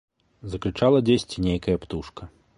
Закрычала дзесьці нейкая птушка.